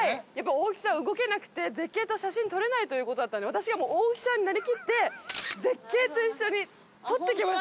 大木さん動けなくて絶景と写真撮れないということだったんで私が大木さんになりきって絶景と一緒に撮ってきました。